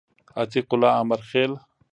عتیق الله امرخیل